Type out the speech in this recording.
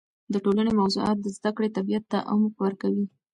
د ټولنې موضوعات د زده کړې طبیعت ته عمق ورکوي.